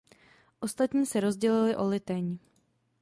Ostatní se rozdělili o Liteň.